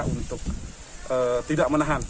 untuk tidak menahan